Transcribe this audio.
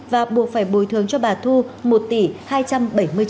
và buộc phải bồi thường cho bà thu một tỷ hai trăm bảy mươi triệu đồng